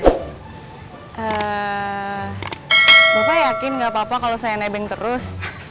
eee bapak yakin ga apa apa kalo saya nebeng terus